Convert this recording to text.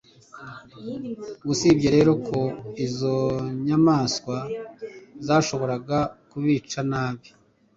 usibye rero ko izo nyamaswa zashoboraga kubica nabi